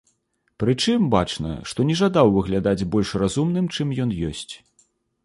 Прычым, бачна, што не жадаў выглядаць больш разумным, чым ён ёсць.